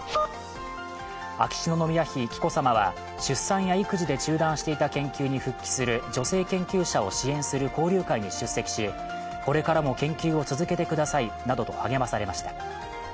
秋篠宮妃・紀子さまは出産や育児で中断していた研究に復帰する女性研究者を支援する交流会に出席しこれからも研究を続けてくださいなどと励まされました。